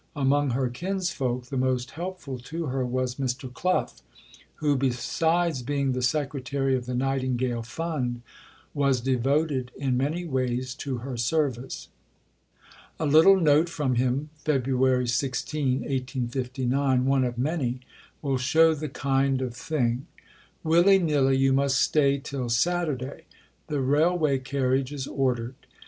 Among her kinsfolk, the most helpful to her was Mr. Clough, who, besides being the Secretary of the Nightingale Fund, was devoted in many ways to her service. A little note from him (Feb. 16, 1859), one of many, will show the kind of thing: "Willy nilly, you must stay till Saturday. The railway carriage is ordered.